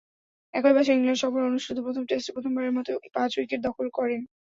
একই বছরে ইংল্যান্ড সফরে অনুষ্ঠিত প্রথম টেস্টে প্রথমবারের মতো পাঁচ-উইকেট দখল করেন।